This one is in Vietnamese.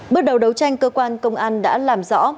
bước đầu đấu tranh cơ quan công an đã làm rõ